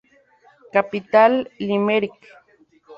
Capital Limerick.